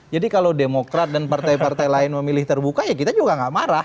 jadi kalau demokrat dan partai partai lain memilih terbuka ya kita juga nggak marah